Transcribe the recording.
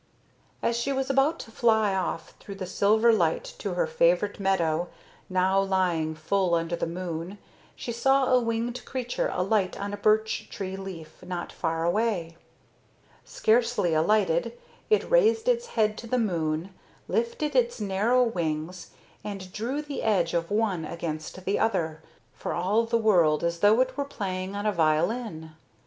As she was about to fly off through the silver light to her favorite meadow, now lying full under the moon, she saw a winged creature alight on a beech tree leaf not far away. Scarcely alighted, it raised its head to the moon, lifted its narrow wings, and drew the edge of one against the other, for all the world as though it were playing on a violin.